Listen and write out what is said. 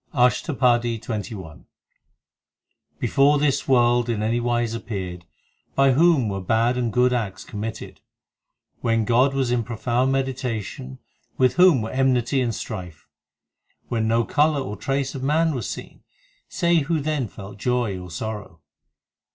ASHTAPADI XXI x i Before this world in any wise appeared, By whom were bad and good acts committed ? When God was in profound meditation, With whom were enmity and strife ? When no colour or trace of man was seen, Say who then felt joy or sorrow.